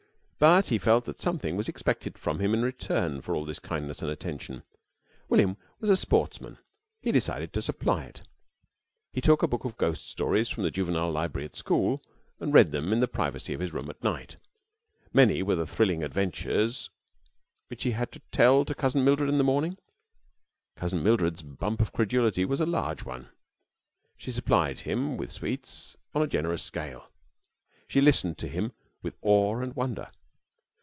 But he felt that something was expected from him in return for all this kindness and attention. William was a sportsman. He decided to supply it. He took a book of ghost stories from the juvenile library at school, and read them in the privacy of his room at night. Many were the thrilling adventures which he had to tell to Cousin Mildred in the morning. Cousin Mildred's bump of credulity was a large one. She supplied him with sweets on a generous scale. She listened to him with awe and wonder.